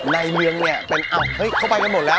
ในเรืองเนี่ยละเป๋ยเขาไปกันหมดแล้ว